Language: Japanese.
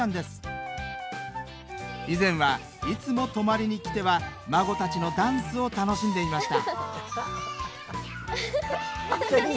以前はいつも泊まりに来ては孫たちのダンスを楽しんでいました